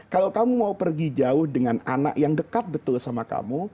kalau kamu mau pergi jauh dengan anak yang dekat betul sama kamu